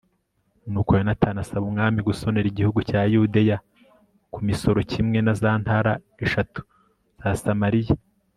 nuko yonatani asaba umwami gusonera igihugu cya yudeya ku misoro kimwe na za ntara eshatu za samariya